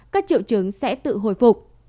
các triệu chứng sẽ tự hồi phục